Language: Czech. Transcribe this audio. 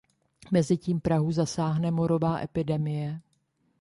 Mezitím Prahu zasáhne morová epidemie.